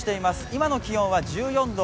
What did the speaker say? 現在の気温は１４度。